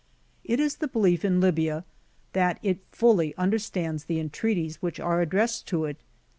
It is the belief in Libya, that it fully un ierstands the entreaties which are addressed to it.